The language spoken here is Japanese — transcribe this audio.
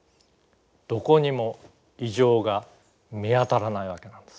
どこにも異常が見当たらないわけなんです。